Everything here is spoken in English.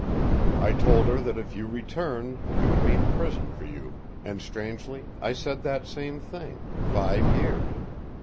I told her that if you returned it would mean prison for you, and strangely I said that same thing five years.